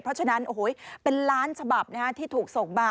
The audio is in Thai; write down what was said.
เพราะฉะนั้นเป็นล้านฉบับที่ถูกส่งมา